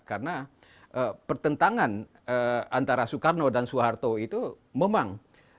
karena pertentangan antara soekarno dan soeharto itu memang